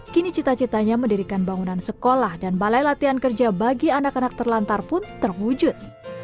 kini cita citanya mendirikan bangunan sekolah dan balai latihan kerja bagi anak anak terlantar pun terwujud